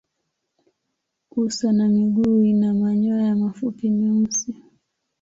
Uso na miguu ina manyoya mafupi meusi.